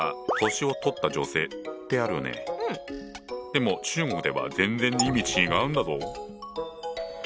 でも中国では全然意味違うんだぞ。